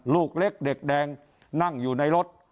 ลูกเล็กเด็กแดงนั่งอยู่ในรถ